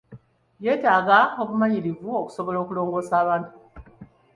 Yeetaaga obumanyirivu okusobola okulongoosa abantu.